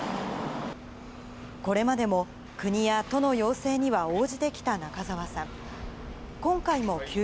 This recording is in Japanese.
これまでも国や都の要請には応じてきた中沢さん。